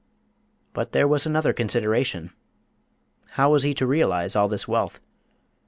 But there was another consideration how was he to realise all this wealth?